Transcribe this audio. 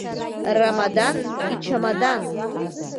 Рамадан ичамадан.